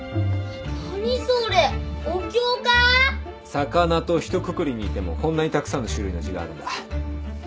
魚とひとくくりに言ってもこんなにたくさんの種類の字があるんだ。